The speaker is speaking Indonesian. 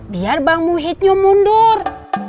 biar bang muhyiddin nya mundur